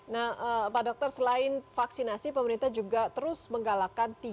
nah pak dokter selain vaksinasi pemerintah juga terus menggalakkan